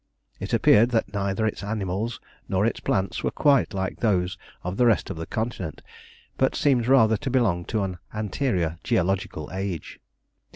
It appeared that neither its animals nor its plants were quite like those of the rest of the continent, but seemed rather to belong to an anterior geological age.